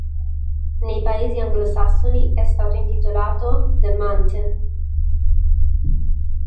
Nei paesi anglosassoni è stato intitolato The Mountain.